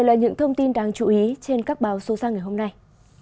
bây giờ là những thông tin đáng chú ý trên các báo xô xa ngày hôm nay